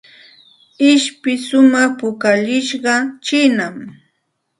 Ishpi shumaq pukallishqa chiinam.